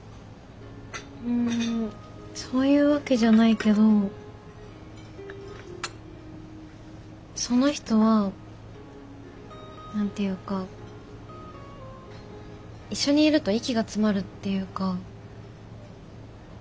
うんそういうわけじゃないけどその人は何て言うか一緒にいると息が詰まるっていうか。